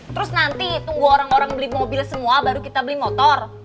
terus nanti tunggu orang orang beli mobil semua baru kita beli motor